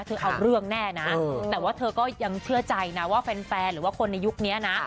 เอาเรื่องแน่นะแต่ว่าเธอก็ยังเชื่อใจนะว่าแฟนหรือว่าคนในยุคนี้นะ